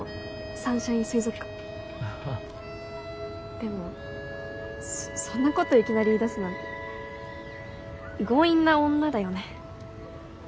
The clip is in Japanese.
サンシャイン水族館ああでもそんなこといきなり言いだすなんて強引な女だよね